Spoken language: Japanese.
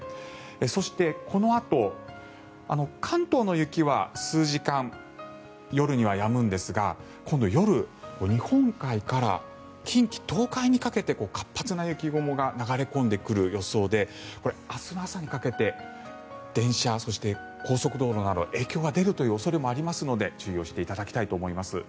そして、このあと関東の雪は数時間夜にはやむんですが今度、夜日本海から近畿・東海にかけて活発な雪雲が流れ込んでくる予想で明日の朝にかけて電車、そして高速道路など影響が出るという恐れもありますので注意をしていただきたいと思います。